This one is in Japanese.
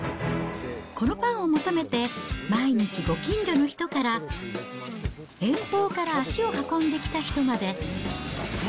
このパンを求めて、毎日、ご近所の人から遠方から足を運んできた人まで。